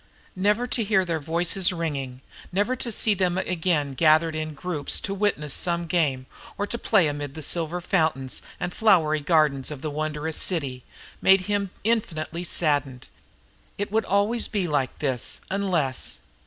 Never to hear their voices ringing, never to see them again gathered in groups to witness some game or to play amid the silver fountains and flowery gardens of the wondrous city, made him infinitely saddened. It would always be like this, unless....